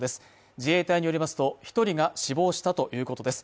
自衛隊によりますと、１人が死亡したということです。